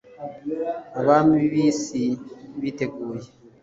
abami b'isi biteguye